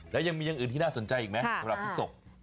แล้วยังมีอย่างอื่นที่น่าสนใจอีกไหมสำหรับพริกศพ